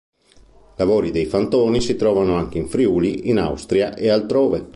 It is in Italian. Lavori del Fantoni si trovano anche in Friuli, in Austria e altrove.